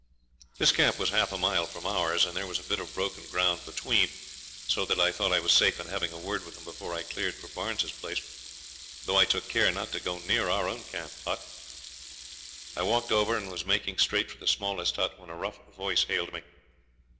This camp was half a mile from ours, and there was a bit of broken ground between, so that I thought I was safe in having a word with them before I cleared for Barnes's place, though I took care not to go near our own camp hut. I walked over, and was making straight for the smallest hut, when a rough voice hailed me.